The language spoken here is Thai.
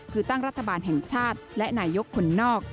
คือตั้งรัฐบาลแห่งชาติและนายกคนนอก